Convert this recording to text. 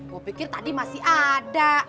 gue pikir tadi masih ada